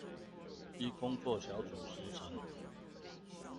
依工作小組時程